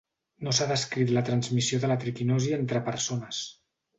No s'ha descrit la transmissió de la triquinosi entre persones.